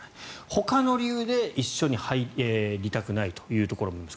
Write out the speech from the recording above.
ほかの理由で一緒に入りたくないということもあるんです。